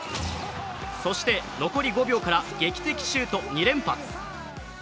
そして残り５秒から劇的シュート２連発。